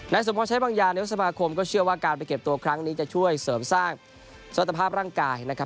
สมพรใช้บางอย่างนายกสมาคมก็เชื่อว่าการไปเก็บตัวครั้งนี้จะช่วยเสริมสร้างสรรภาพร่างกายนะครับ